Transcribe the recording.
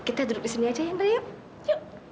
kita duduk di sini aja ya andre yuk yuk